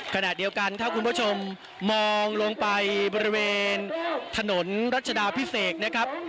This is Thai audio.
ขณะเดียวกันถ้าคุณผู้ชมมองลงไปบริเวณถนนรัชดาพิเศษนะครับ